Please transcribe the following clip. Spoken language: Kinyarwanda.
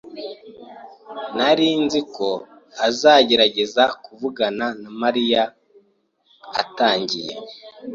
Nari nzi ko azagerageza kuvugana na Mariya atagiye.